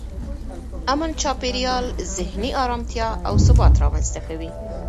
امن چاپېریال ذهني ارامتیا او ثبات رامنځته کوي.